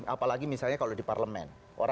apalagi misalnya kalau di parlemen